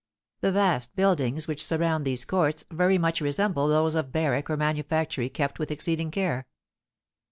The vast buildings which surround these courts very much resemble those of barrack or manufactory kept with exceeding care.